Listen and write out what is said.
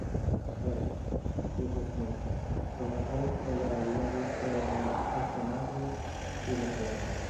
Era, dijo Smith: "lo mejor que le había visto en el escenario durante años".